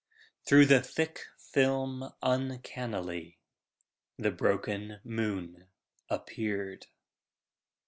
Through the thick film uncannily The broken moon appeared.